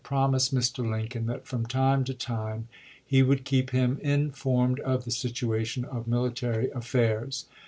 promised Mr. Lincoln that from time to time i«^ he would keep him informed of the situation of military affairs.